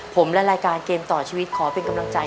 ผมและรายการเกมต่อชีวิตขอเป็นกำลังใจ